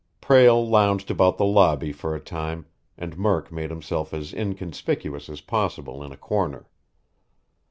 Prale lounged about the lobby for a time, and Murk made himself as inconspicuous as possible in a corner.